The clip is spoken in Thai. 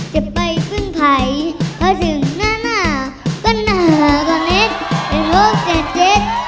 จะไปพึ่งไผ่เพราะถึงหน้าหน้าก็เน็ตเป็นโลกแก่เจ็ด